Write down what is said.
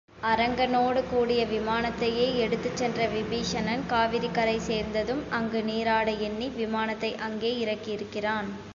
அரங்கனோடு கூடிய விமானத்தையே எடுத்துச் சென்ற விபீஷணன் காவிரிக்கரை சேர்ந்ததும் அங்கு நீராட எண்ணி விமானத்தை அங்கே இறக்கியிருக்கிறான்.